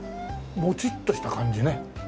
もちっとした感じね。